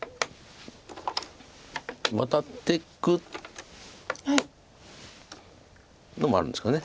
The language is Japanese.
ワタっていくのもあるんですかね。